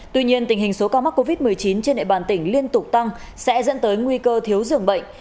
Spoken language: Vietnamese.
tuy nhiên tình hình số ca mắc covid một mươi chín trên địa bàn tỉnh liên tục tăng sẽ dẫn tới nguy cơ thiếu dường bệnh